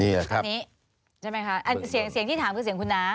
นี่แหละครับนี่ใช่ไหมคะอันเสียงเสียงที่ถามคือเสียงคุณน้า